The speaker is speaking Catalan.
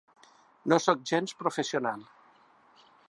No sóc gens professional.